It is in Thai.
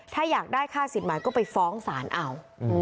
ถ้าอยากได้ค่าสินหมายก็ไปฟ้องศาลเอา